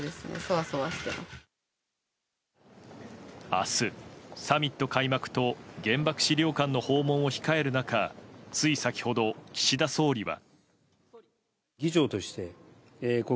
明日、サミット開幕と原爆資料館の訪問を控える中つい先ほど、岸田総理は。